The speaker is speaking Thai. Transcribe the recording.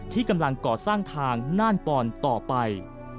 ที่กำลังก่อสร้างทางน่านปอนต่อไป